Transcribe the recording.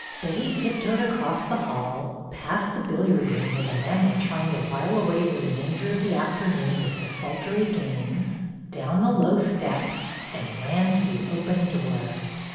Betty tiptoed across the hall, past the bil liard room where the men were trying to while away the remainder of the afternoon with desultory games, down the low steps, and ran to the open door.